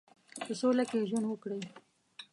په سوله کې ژوند وکړي.